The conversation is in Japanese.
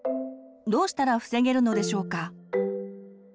どうしたら防げるのでしょうか？